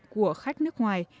của khách nước ngoài